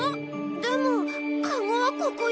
でもカゴはここよ。